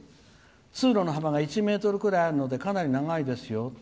通路の幅が１ｍぐらいあるのでかなり長いですよ。